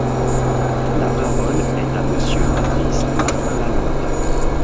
La parole est à Monsieur Patrice Martin-Lalande.